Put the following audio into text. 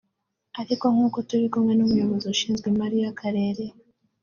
ariko nk’uko turi kumwe n’umuyobozi ushinzwe imari y’akarere